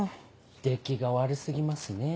出来が悪過ぎますねぇ。